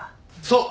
そう！